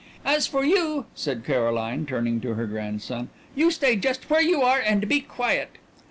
"As for you," said Caroline, turning to her grandson, "you stay just where you are and be quiet."